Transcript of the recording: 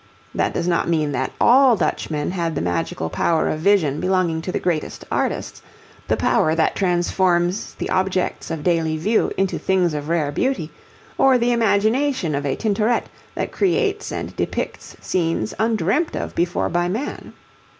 That does not mean that all Dutchmen had the magical power of vision belonging to the greatest artists, the power that transforms the objects of daily view into things of rare beauty, or the imagination of a Tintoret that creates and depicts scenes undreamt of before by man.